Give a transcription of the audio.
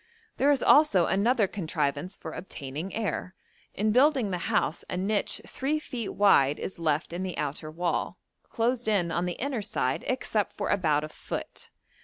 There is also another contrivance for obtaining air; in building the house a niche three feet wide is left in the outer wall, closed in on the inner side except for about a foot.